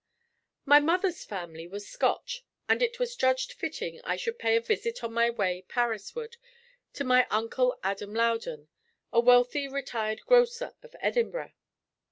My mother's family was Scotch, and it was judged fitting I should pay a visit on my way Paris ward, to my Uncle Adam Loudon, a wealthy retired grocer of Edinburgh.